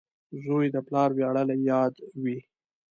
• زوی د پلار ویاړلی یاد وي.